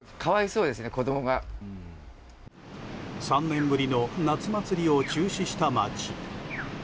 ３年ぶりの夏祭りを中止した街。